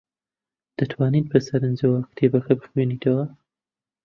دەتوانیت بەسەرنجەوە کتێبەکە بخوێنیتەوە؟